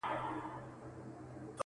چي یې منکر دی هغه نادان دی؛